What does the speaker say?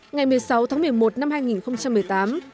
ngày một mươi sáu tháng một mươi một năm hai nghìn một mươi tám